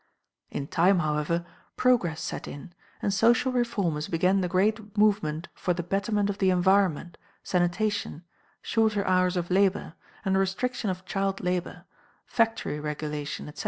In time, however, progress set in, and social reformers began the great movement for the betterment of the environment, sanitation, shorter hours of labor, and restriction of child labor, factory regulation, etc.